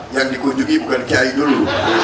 yang dikunjungi bukan kiai dulu